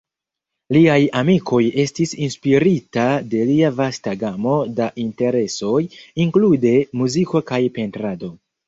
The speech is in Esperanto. Liaj amikoj estis inspirita de lia vasta gamo da interesoj, inklude muziko kaj pentrado.